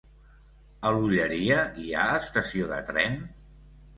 A l'Olleria hi ha estació de tren?